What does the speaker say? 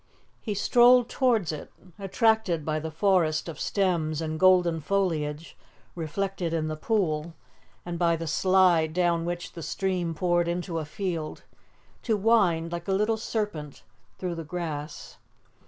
He strolled towards it, attracted by the forest of stems and golden foliage reflected in the pool, and by the slide down which the stream poured into a field, to wind, like a little serpent, through the grass.